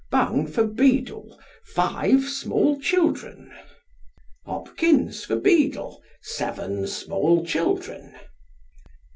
" Bung for Beadle. Five small children !"" Hopkins for Beadle. Seven small children